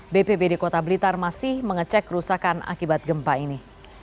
bpbd kota blitar masih mengecek kerusakan akibat gempa ini